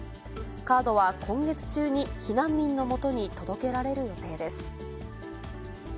カードは今月中に避難民のもとに届けられる予定です。